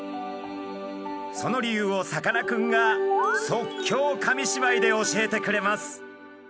その理由をさかなクンが即興紙芝居で教えてくれます。